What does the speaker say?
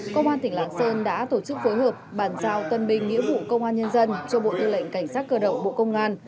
công an tỉnh lạng sơn đã tổ chức phối hợp bàn giao tân binh nghĩa vụ công an nhân dân cho bộ tư lệnh cảnh sát cơ động bộ công an